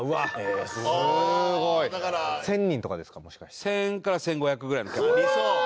１０００から１５００ぐらいのキャパ。